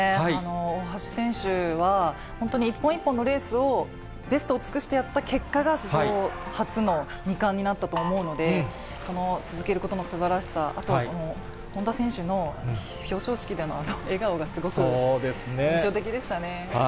大橋選手は、本当に一本一本のレースを、ベストを尽くしてやった結果が、史上初の２冠になったと思うので、続けることのすばらしさ、あとは本多選手の表彰式でのあの笑顔がすごく印象的でしたね。